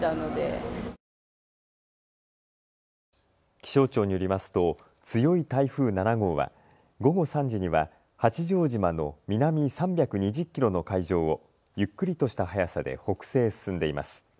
気象庁によりますと強い台風７号は午後３時には八丈島の南３２０キロの海上をゆっくりとした速さで北西へ進んでいます。